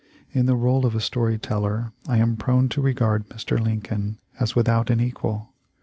In the role of a story teller I am prone to regard Mr. Lincoln as without an equal.